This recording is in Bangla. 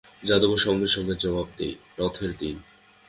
যাদবও সঙ্গে সঙ্গে জবাব দেয়, রথের দিন।